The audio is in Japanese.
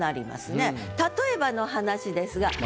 例えばの話ですが。